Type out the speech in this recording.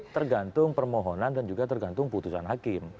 tergantung permohonan dan juga tergantung putusan hakim